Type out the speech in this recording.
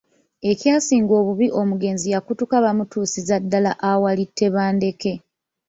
Ekyasinga obubi omugenzi yakutuka bamutuusiza ddala awali Tebandeke.